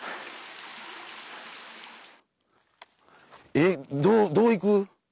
えっどう行く？